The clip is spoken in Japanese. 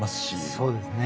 そうですね。